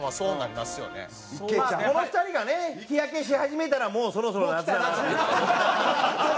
まあこの２人がね日焼けし始めたらもうそろそろ夏だなっていう。